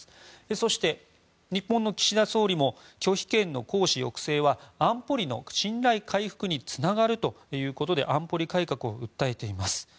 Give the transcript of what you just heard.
そして、日本の岸田総理も拒否権の行使抑制は安保理の信頼回復につながるということで安保理改革を訴えています。